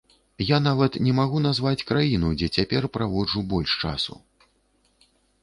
Я нават не магу назваць краіну, дзе цяпер праводжу больш часу.